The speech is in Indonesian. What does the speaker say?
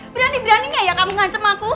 berani beraninya ya kamu ngancem aku